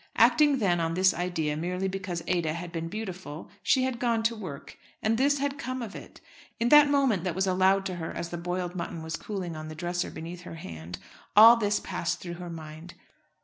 Acting then on this idea merely because Ada had been beautiful she had gone to work, and this had come of it! In that minute that was allowed to her as the boiled mutton was cooling on the dresser beneath her hand, all this passed through her mind.